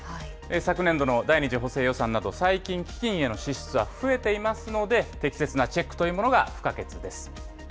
昨年度の第２次補正予算など、最近、基金への支出は増えていますので、適切なチェックというものが不可欠です。